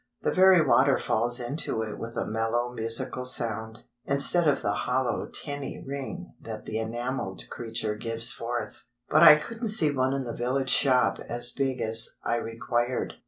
The very water falls into it with a mellow musical sound, instead of the hollow tinny ring that the enamelled creature gives forth. But I couldn't see one in the village shop as big as I required.